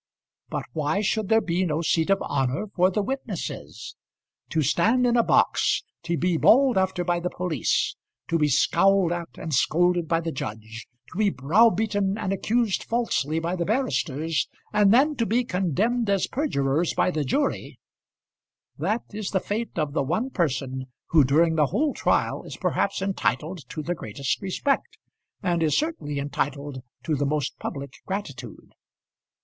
But why should there be no seat of honour for the witnesses? To stand in a box, to be bawled after by the police, to be scowled at and scolded by the judge, to be browbeaten and accused falsely by the barristers, and then to be condemned as perjurers by the jury, that is the fate of the one person who during the whole trial is perhaps entitled to the greatest respect, and is certainly entitled to the most public gratitude.